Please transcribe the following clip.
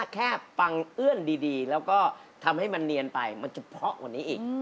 ฟังเอื้อนดีแล้วก็ทำให้มันเนียนไปมันจะเพราะกว่านี้อีก